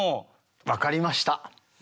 分かりました！